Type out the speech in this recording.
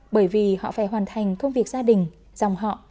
bởi vì họ phải hoàn thành công việc gia đình dòng họ